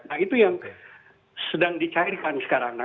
nah itu yang sedang dicairkan sekarang